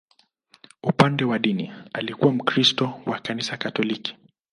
Upande wa dini, alikuwa Mkristo wa Kanisa Katoliki.